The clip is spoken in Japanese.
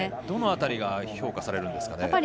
どの辺りが評価されるんですかね。